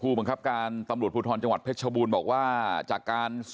ผู้บังคับการตำรวจบูธรจังหวัดเพชรบูนบอกว่าจากการสอบสวนนะครับ